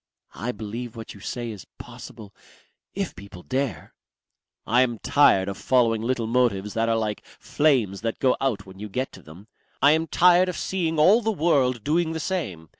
"I believe what you say is possible. If people dare." "I am tired of following little motives that are like flames that go out when you get to them. I am tired of seeing all the world doing the same.